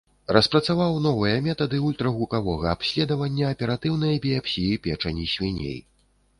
Распрацаваў новыя метады ультрагукавога абследавання аператыўнай біяпсіі печані свіней.